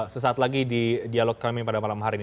sesaat lagi di dialog kami pada malam hari ini